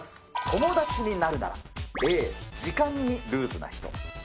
友達になるなら、Ａ、時間にルーズな人。